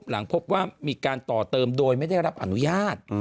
หลังพบว่ามีการต่อเติมโดยไม่ได้รับอนุญาต